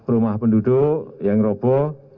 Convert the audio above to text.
rumah penduduk yang robo